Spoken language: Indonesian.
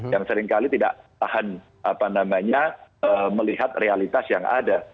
yang seringkali tidak tahan melihat realitas yang ada